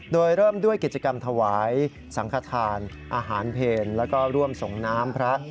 โดยเริ่มด้วยกิจกรรมถวายสังขทานอาหารเพลแล้วก็ร่วมส่งน้ำพระ